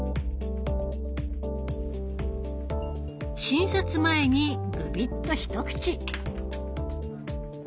診察前にグビッとひと口！